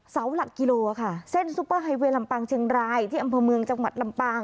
เสาหลักกิโลค่ะเส้นซุปเปอร์ไฮเวย์ลำปางเชียงรายที่อำเภอเมืองจังหวัดลำปาง